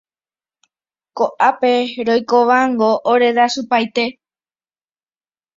Ko'ápe roikóvango orerasypaite.